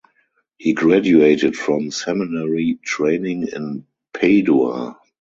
He graduated from seminary training in Padua.